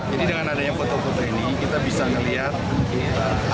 jadi dengan adanya foto foto ini kita bisa melihat